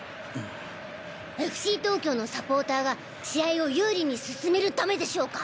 ＦＣ東京のサポーターが試合を有利に進めるためでしょうか？